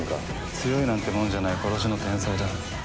強いなんてもんじゃない殺しの天才だ。